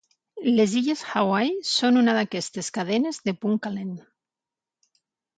Les illes Hawaii són una d'aquestes cadenes de punt calent.